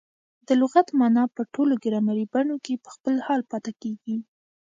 د لغت مانا په ټولو ګرامري بڼو کښي په خپل حال پاته کیږي.